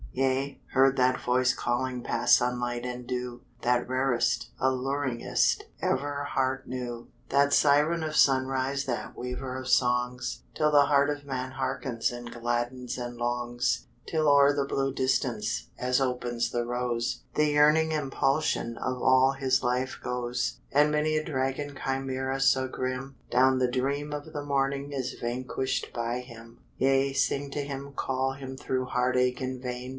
Yea, heard that voice calling Past sunlight and dew, That rarest, alluringest, Ever heart knew. That siren of sunrise, That weaver of songs, Till the heart of man hearkens And gladdens and longs, Till o'er the blue distance, As opens the rose, The yearning impulsion Of all his life goes; And many a dragon Chimera so grim, Down the dream of the morning Is vanquished by him. Yea, sing to him, call him through Heartache in vain.